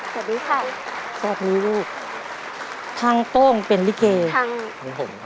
สวัสดีค่ะสวัสดีลูกทั้งโป้งเป็นลิเกย์ทั้งผมครับ